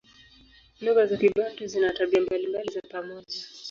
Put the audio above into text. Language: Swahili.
Lugha za Kibantu zina tabia mbalimbali za pamoja.